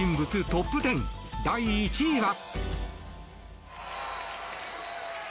トップ１０第１位は。